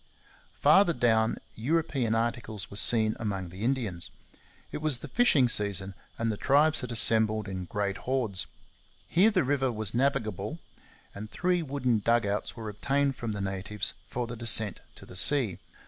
Farther down European articles were seen among the Indians. It was the fishing season, and the tribes had assembled in great hordes. Here the river was navigable, and three wooden dug outs were obtained from the natives for the descent to the sea.